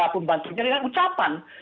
pembantunya dengan ucapan